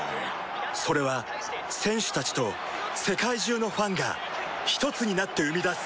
それは選手たちと世界中のファンがひとつになって生み出す